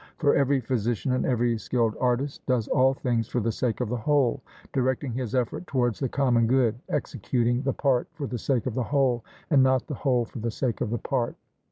For every physician and every skilled artist does all things for the sake of the whole, directing his effort towards the common good, executing the part for the sake of the whole, and not the whole for the sake of the part.